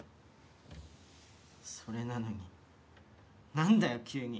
それなのになんだよ急に。